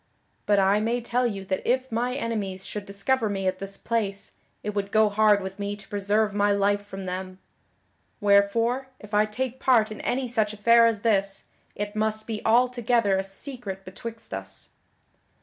But I may tell you that if my enemies should discover me at this place, it would go hard with me to preserve my life from them. Wherefore, if I take part in any such affair as this, it must be altogether a secret betwixt us."